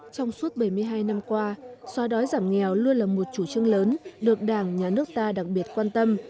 trong suốt bảy mươi hai năm qua xóa đói giảm nghèo luôn là một chủ trương lớn được đảng nhà nước ta đặc biệt quan tâm